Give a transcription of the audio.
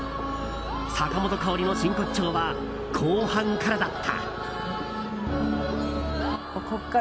坂本花織の真骨頂は後半からだった。